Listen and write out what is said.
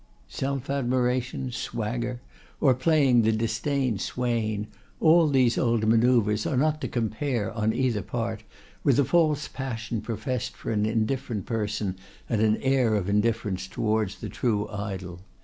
Self admiration, swagger, or playing the disdained swain,—all these old manoeuvres are not to compare on either part with a false passion professed for an indifferent person and an air of indifference towards the true idol.